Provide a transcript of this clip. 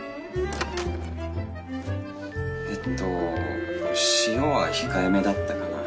えっと塩は控えめだったかな。